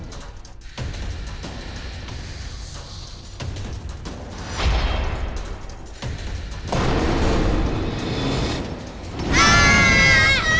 pokoknya di belakang